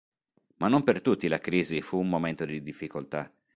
Ma non per tutti la Crisi fu un momento di difficoltà.